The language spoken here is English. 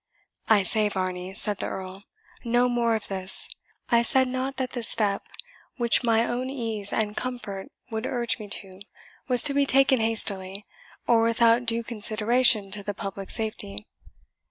"I say, Varney," said the Earl, "no more of this. I said not that the step, which my own ease and comfort would urge me to, was to be taken hastily, or without due consideration to the public safety.